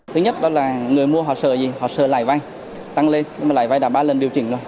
thứ nhất là người mua họ sờ lãi vay tăng lên lãi vay đã ba lần điều chỉnh rồi